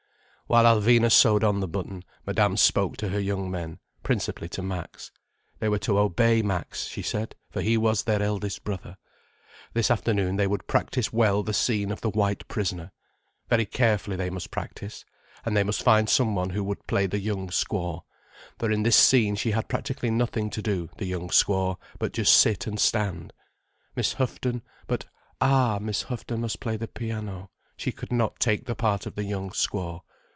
While Alvina sewed on the button, Madame spoke to her young men, principally to Max. They were to obey Max, she said, for he was their eldest brother. This afternoon they would practise well the scene of the White Prisoner. Very carefully they must practise, and they must find some one who would play the young squaw—for in this scene she had practically nothing to do, the young squaw, but just sit and stand. Miss Houghton—but ah, Miss Houghton must play the piano, she could not take the part of the young squaw.